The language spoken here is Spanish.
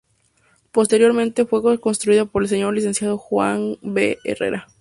Posteriormente fue reconstruida por el Señor Licenciado Juan B. Herrera.